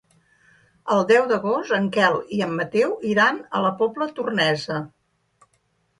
El deu d'agost en Quel i en Mateu iran a la Pobla Tornesa.